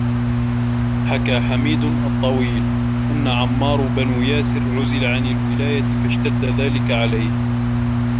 حَكَى حُمَيْدٌ الطَّوِيلُ أَنَّ عَمَّارَ بْنَ يَاسِرٍ عُزِلَ عَنْ وِلَايَةٍ فَاشْتَدَّ ذَلِكَ عَلَيْهِ